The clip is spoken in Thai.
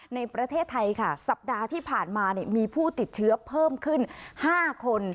ในประเทศไทยค่ะสัปดาห์ที่ผ่านมามีผู้ติดเชื้อเพิ่มขึ้น๕คน